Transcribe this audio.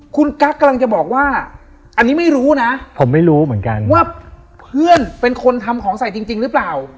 คุณกั๊กกำลังจะบอกว่าอันนี้ไม่รู้นะผมไม่รู้เหมือนกันว่าเพื่อนเป็นคนทำของใส่จริงหรือเปล่า